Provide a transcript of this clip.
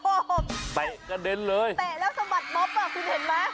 แตะแล้วสมัครบ๊อบแบบนี่เห็นไหม